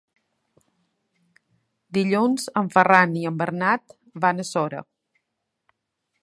Dilluns en Ferran i en Bernat van a Sora.